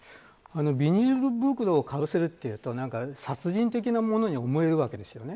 ビニール袋をかぶせるというと殺人的なものに思えるわけですよね。